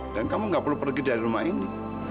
dan kamu gak perlu pergi dari rumah ini